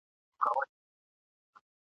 چي ډېوې یې بلولې نن له ملکه تښتېدلی ..